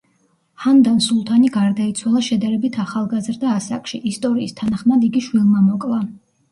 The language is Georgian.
ჰანდან სულთანი გარდაიცვალა შედარებით ახალგაზრდა ასაკში, ისტორიის თანახმად იგი შვილმა მოკლა.